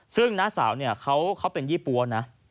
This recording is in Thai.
ซึ่งน้าสาวเนี่ยเขาเป็นยี่ปั๊วนะ